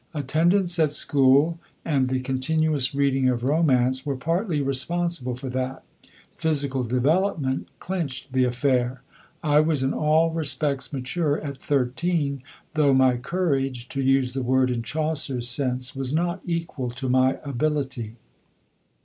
Attendance at school and the continuous reading of romance were partly responsible for that; physical development clinched the affair, I was in all respects mature at thirteen, though my courage (to use the word in Chaucer's sense) was not equal to my ability.